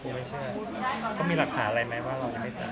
ครูไม่เชื่อเขามีรัคหาอะไรมั้ยว่าเรายังไม่จ่าย